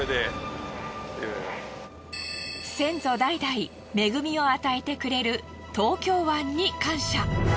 先祖代々恵みを与えてくれる東京湾に感謝。